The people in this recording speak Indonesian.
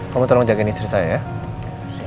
kamu tolong jagain istri saya